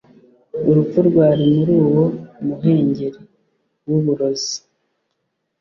Urupfu rwari muri uwo muhengeri wuburozi